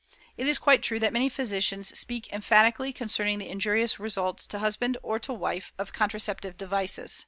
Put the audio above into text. It is quite true that many physicians speak emphatically concerning the injurious results to husband or to wife of contraceptive devices.